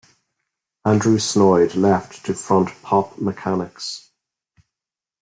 Andrew Snoid left to front Pop Mechanix.